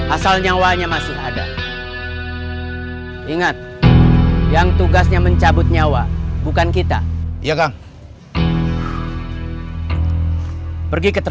asal nyawanya masih ada ingat yang tugasnya mencabut nyawa bukan kita ya kang